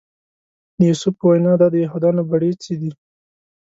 د یوسف په وینا دا د یهودانو بړیڅي دي.